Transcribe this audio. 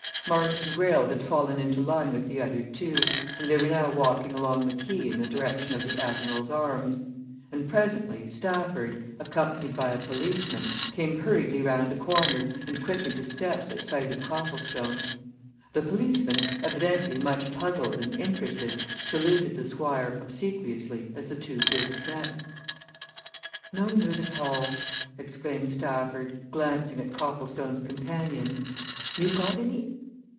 Marston Greyle had fallen into line with the other two, and they were now walking along the quay in the direction of the "Admiral's Arms." And presently Stafford, accompanied by a policeman, came hurriedly round a corner and quickened his steps at sight of Copplestone. The policeman, evidently much puzzled and interested, saluted the Squire obsequiously as the two groups met. "No news at all!" exclaimed Stafford, glancing at Copplestone's companions. "You got any?"